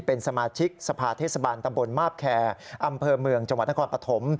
เป็นสมาชิกสภาเทศบาลตำบลมาบแคร์อำเภอเมืองจังหวัดนครปฐม